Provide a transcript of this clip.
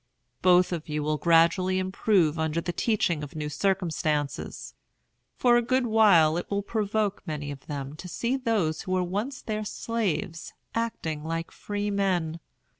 Both of you will gradually improve under the teaching of new circumstances. For a good while it will provoke many of them to see those who were once their slaves acting like freemen.